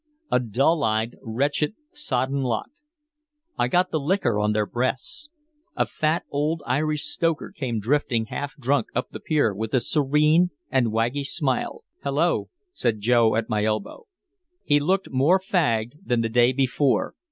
A dull eyed, wretched, sodden lot. I got the liquor on their breaths. A fat old Irish stoker came drifting half drunk up the pier with a serene and waggish smile. "Hello," said Joe at my elbow. He looked more fagged than the day before.